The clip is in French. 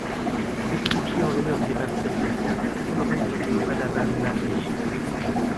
Il est édifié en l'honneur des martyrs chrétiens sous le règne de Ranavalona Ire.